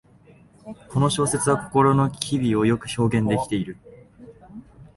この小説は心の機微をよく表現できている